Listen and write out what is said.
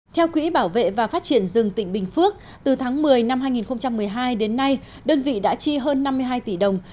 theo quỹ bảo vệ và phát triển rừng tỉnh bình phước từ tháng một mươi năm hai nghìn một mươi hai đến nay đơn vị đã chi hơn năm mươi hai tỷ đồng